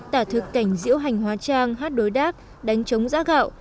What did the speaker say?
tả thực cảnh diễu hành hóa trang hát đối đác đánh trống giã gạo